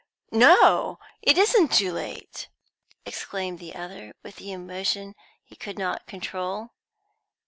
"No, it isn't too late!" exclaimed the other, with emotion he could not control.